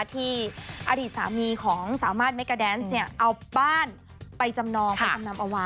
ที่อดีตสามีของสามารถเมกาแดนซ์เอาบ้านไปจำนองไปจำนำเอาไว้